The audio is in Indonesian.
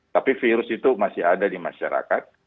tapi virus itu masih ada di masyarakat